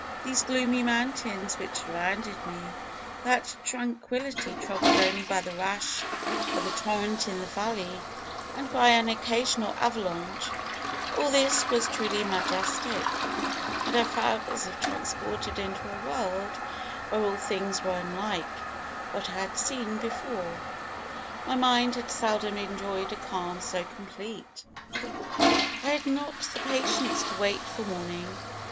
Those gloomy mountains which surrounded me, that tranquillity troubled only by the rash of the torrent in the valley and by an occasional avalanche, all this was truly majestic, and I felt as if transported into a world where all things were unlike what I had seen before. My mind had seldom enjoyed a calm so complete. "I had not the patience to wait for morning.